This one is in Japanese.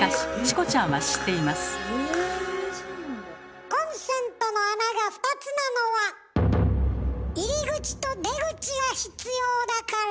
コンセントの穴が２つなのは入り口と出口が必要だから。